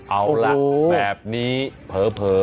เอาล่ะแบบนี้เผลอ